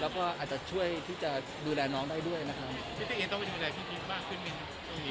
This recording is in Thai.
แล้วก็อาจจะช่วยที่จะดูแลน้องได้ด้วยนะครับ